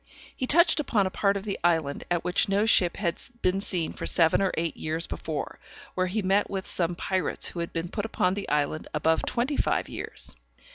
He touched upon a part of the island at which no ship had been seen for seven or eight years before, where he met with some pirates who had been upon the island above twenty five years.